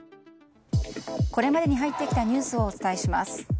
これまでに入ってきたニュースをお伝えします。